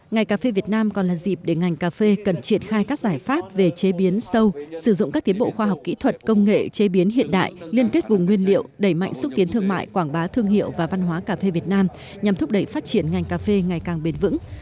ngày cà phê việt nam còn là dịp để ngành cà phê cần triển khai các giải pháp về chế biến sâu sử dụng các tiến bộ khoa học kỹ thuật công nghệ chế biến hiện đại liên kết vùng nguyên liệu đẩy mạnh xúc tiến thương mại quảng bá thương hiệu và văn hóa cà phê việt nam nhằm thúc đẩy phát triển ngành cà phê ngày càng bền vững